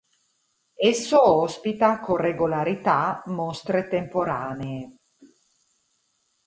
Esso ospita, con regolarità, mostre temporanee.